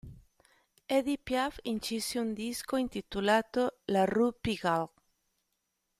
Édith Piaf incise un disco intitolato "La Rue Pigalle".